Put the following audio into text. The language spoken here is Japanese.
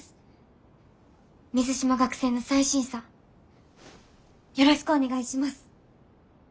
水島学生の再審査よろしくお願いします。